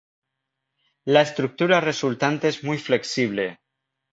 La estructura resultante es muy flexible.